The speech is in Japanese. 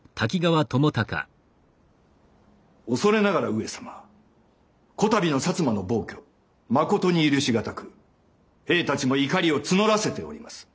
恐れながら上様此度の摩の暴挙まことに許し難く兵たちも怒りを募らせております。